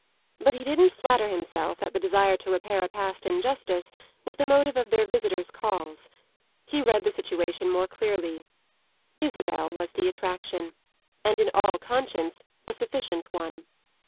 But he didn't flatter himself that the desire to repair a past injustice was the motive of their visitor's calls; he read the situation more clearly. Isabel was the attraction, and in all conscience a sufficient one.